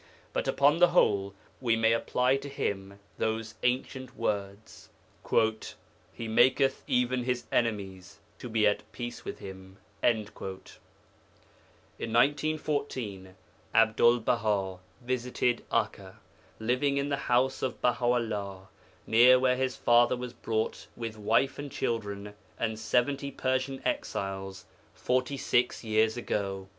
But upon the whole we may apply to him those ancient words: 'He maketh even his enemies to be at peace with him.' In 1914 Abdul Baha visited Akka, living in the house of Baha 'ullah, near where his father was brought with wife and children and seventy Persian exiles forty six years ago.